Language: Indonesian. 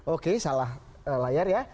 oke salah layar ya